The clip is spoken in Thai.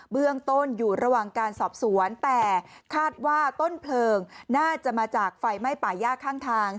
เบื้องต้นอยู่ระหว่างการสอบสวนแต่คาดว่าต้นเพลิงน่าจะมาจากไฟไหม้ป่าย่าข้างทาง